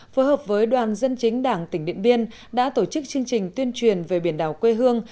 phối hợp với đoàn dân chính đảng tỉnh điện biên đã tổ chức chương trình tuyên truyền về biển đảo quê hương